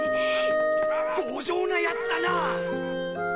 強情なヤツだなあ。